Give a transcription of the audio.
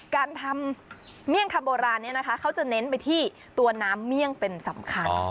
การทำเมี่ยงคำโบราณนี้นะคะเขาจะเน้นไปที่ตัวน้ำเมี่ยงเป็นสำคัญ